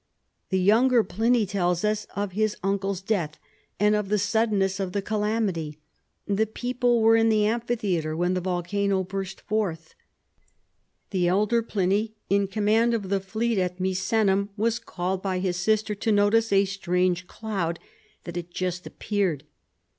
The younger Pliny tells us of his uncle's death, and of the suddenness of the calamity. The people were in the amphitheater when the volcano burst forth. The elder Pliny, in command of the fleet at Misenum, was called by his sister to notice a strange cloud that had just appeared.